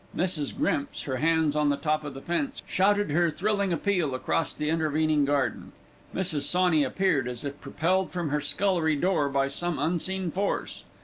Mrs. Grimps, her hands on the top of the fence, shouted her thrilling appeal across the intervening garden. Mrs. Sawney appeared, as if propelled from her scullery door by some unseen force.